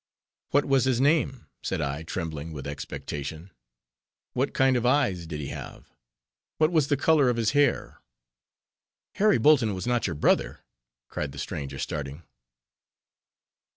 "What was his name?" said I, trembling with expectation; "what kind of eyes did he have? what was the color of his hair?" "Harry Bolton was not your brother?" cried the stranger, starting.